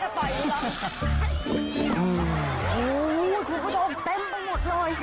คุณผู้ชมเพิ่มไปหมดเลย